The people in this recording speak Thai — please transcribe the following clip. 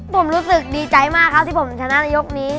ผมรู้สึกดีใจมากครับที่ผมชนะในยกนี้